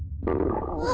あっ。